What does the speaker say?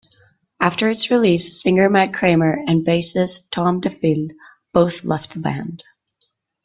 After its release, singer Matt Kramer and bassist Tom Defile both left the band.